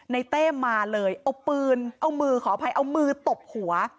เต้มาเลยเอาปืนเอามือขออภัยเอามือตบหัว